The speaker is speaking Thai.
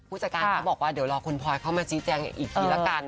ผู้จัดการเขาบอกว่าเดี๋ยวรอคุณพลอยเข้ามาชี้แจงอีกทีละกัน